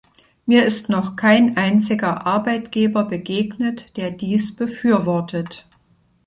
Mir ist noch kein einziger Arbeitgeber begegnet, der dies befürwortet.